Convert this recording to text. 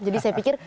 jadi saya pikir